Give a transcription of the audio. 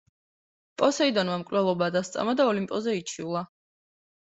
პოსეიდონმა მკვლელობა დასწამა და ოლიმპოზე იჩივლა.